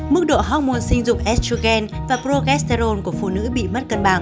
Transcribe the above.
mức độ hormôn sinh dục estrogen và progesterone của phụ nữ bị mất cân bằng